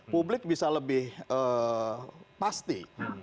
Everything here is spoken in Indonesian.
publik bisa lebih pasti